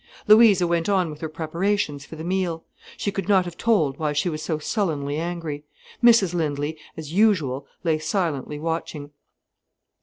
Louisa went on with her preparations for the meal. She could not have told why she was so sullenly angry. Mrs Lindley, as usual, lay silently watching.